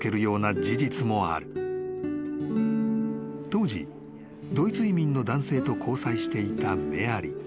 ［当時ドイツ移民の男性と交際していたメアリー］